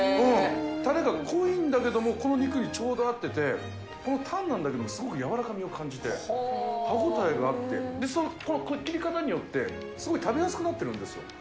タレが濃いんだけども、この肉にちょうどあってて、このタンなんだけど、すごく柔らかみを感じて、歯応えがあって、この切り方によって、すごい食べやすくなってるんですよ。